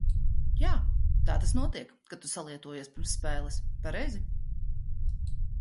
Jā, tā tas notiek, kad tu salietojies pirms spēles, pareizi?